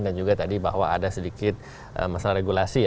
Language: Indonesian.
dan juga tadi bahwa ada sedikit masalah regulasi